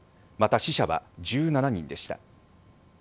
また、死者は１７人でした。